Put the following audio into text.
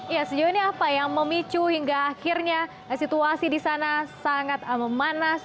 ya sejauh ini apa yang memicu hingga akhirnya situasi di sana sangat memanas